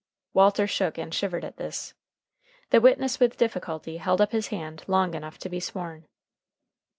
Walter shook and shivered at this. The witness with difficulty held up his hand long enough to be sworn.